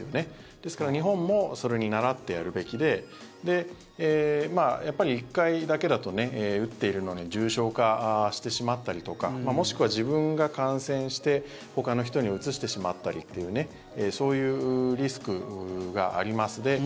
ですから日本もそれに倣ってやるべきでやっぱり１回だけだと打っているのに重症化してしまったりとかもしくは自分が感染してほかの人にうつしてしまったりというそういうリスクがあります。